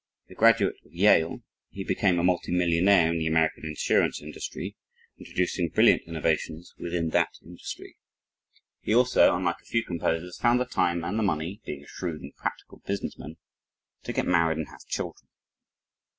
A graduate of Yale, he became a multi millionaire in the American insurance industry, introducing brilliant innovations within that industry. He also, unlike a few composers, found the time and the money (being a shrewd and practical businessman) to get married and have children.